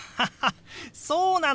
そうなんだよ！